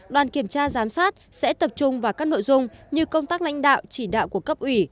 đoàn kiểm tra giám sát sẽ tập trung vào các nội dung như công tác lãnh đạo chỉ đạo của cấp ủy